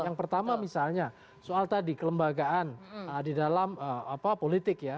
yang pertama misalnya soal tadi kelembagaan di dalam politik ya